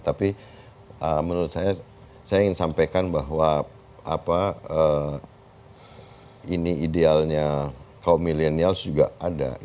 tapi menurut saya saya ingin sampaikan bahwa ini idealnya kaum milenials juga ada